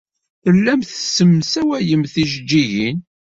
Tellamt tessemsawayemt tijejjigin.